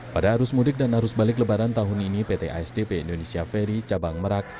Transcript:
pada arus mudik dan arus balik lebaran tahun ini pt asdp indonesia ferry cabang merak